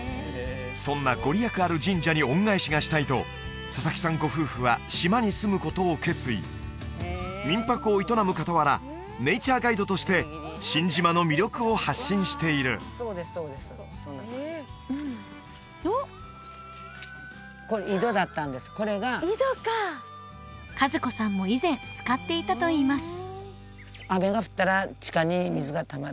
そんな御利益ある神社に恩返しがしたいと佐々木さんご夫婦は島に住むことを決意民泊を営むかたわらネイチャーガイドとして新島の魅力を発信しているおっこれが井戸か和子さんも以前使っていたといいます